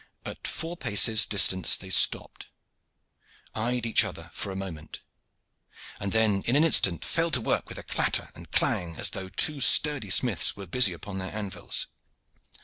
At four paces distance they stopped, eyed each other for a moment, and then in an instant fell to work with a clatter and clang as though two sturdy smiths were busy upon their anvils.